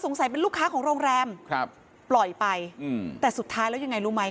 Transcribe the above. ใส่เป็นลูกค้าของโรงแรมครับปล่อยไปอืมแต่สุดท้ายแล้วยังไงรู้ไหม